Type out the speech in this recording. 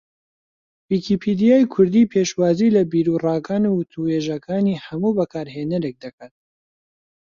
ویکیپیدیای کوردی پێشوازی لە بیروڕاکان و وتووێژەکانی ھەموو بەکارھێنەرێک دەکات